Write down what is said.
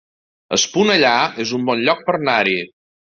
Esponellà es un bon lloc per anar-hi